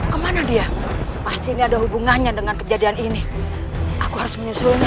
kemana dia masih ada hubungannya dengan kejadian ini aku harus menyesulnya